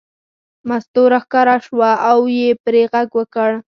مستو راښکاره شوه او یې پرې غږ وکړ.